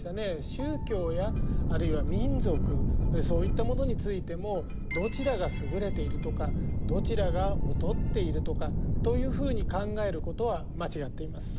宗教やあるいは民族そういったものについてもどちらが優れているとかどちらが劣っているとかというふうに考えることは間違っています。